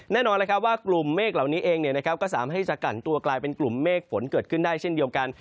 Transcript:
แน่นอนว่ากลุ่มเมฆเหล่านี้เองก็สามารถที่จะกันตัวกลายเป็นกลุ่มเมฆฝนเกิดขึ้นได้เช่นเดียวกัน